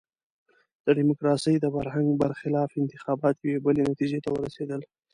د ډیموکراسۍ د فرهنګ برخلاف انتخابات یوې بلې نتیجې ته ورسېدل.